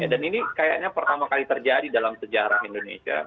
dan ini kayaknya pertama kali terjadi dalam sejarah indonesia